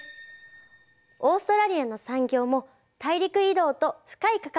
オーストラリアの産業も大陸移動と深い関わりがあるんです。